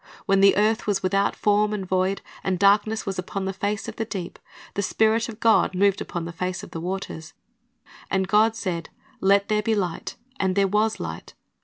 "' When "the earth was without form, and void, and darkness was upon the face of the deep," "the Spirit of God moved upon the face of the waters. And God said, Let there be light; and there was light.